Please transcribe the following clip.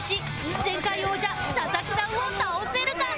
前回王者佐々木さんを倒せるか？